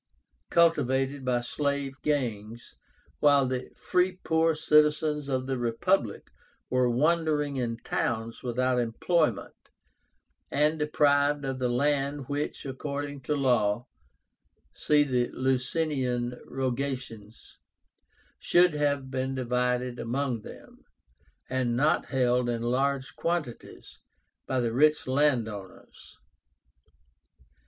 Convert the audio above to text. cultivated by slave gangs, while the free poor citizens of the Republic were wandering in towns without employment, and deprived of the land which, according to law (see the Licinian Rogations), should have been divided among them, and not held in large quantities by the rich land owners.